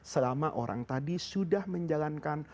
selama orang tadi sudah menjalankan